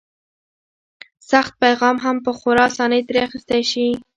سخت پیغام هم په خورا اسانۍ ترې اخیستی شي.